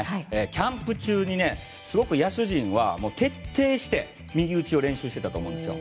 キャンプ中に野手陣は徹底して右打ちを練習してたと思うんですよ。